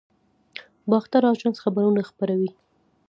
باختر اژانس خبرونه خپروي